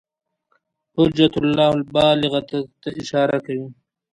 حجة الله البالغة ته اشاره کوي.